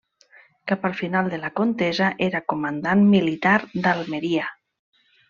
Cap al final de la contesa era comandant militar d'Almeria.